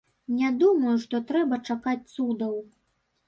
Не думаю, што трэба чакаць цудаў.